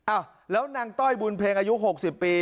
อ้าวแล้วนางต้อยบุญเพ็งอายุ๖๐ปี